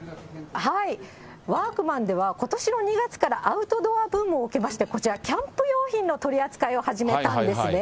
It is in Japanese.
ワークマンでは、ことしの２月から、アウトドアブームを受けまして、こちら、キャンプ用品の取り扱いを始めたんですね。